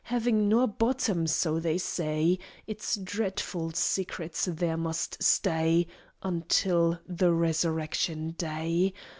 Having noa bottom, soa they say; It's dreadful secrets there must stay Until the Resurrection Day!